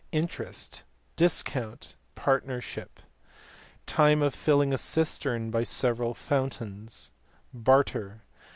Interest, discount, and partnership. Time of filling a cistern by several fountains. Barter.